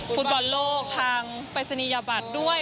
ฟุตบอลโลกทางปริศนียบัตรด้วย